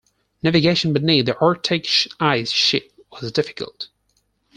Navigation beneath the arctic ice sheet was difficult.